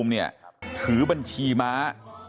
ไม่ได้ติดต่อครับเพราะว่า